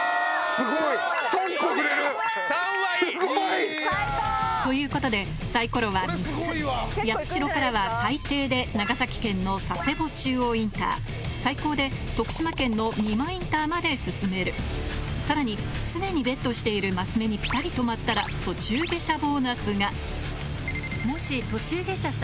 すごい！ということでサイコロは３つ八代からは最低で長崎県の佐世保中央インター最高で徳島県の美馬インターまで進めるさらに既にＢＥＴしているマス目にピタリ止まったら途中下車ボーナスがもし。を差し上げます。